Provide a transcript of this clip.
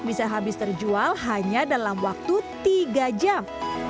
bisa habis terjual hanya dalam waktu tiga jam